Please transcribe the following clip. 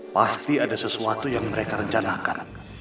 pasti ada sesuatu yang mereka rencanakan